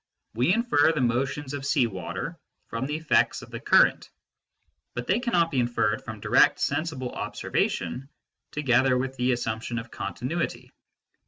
We infer the motions of sea water from the effects of the current, but they cannot be inferred from direct sensible observation together with the assumption of continuity.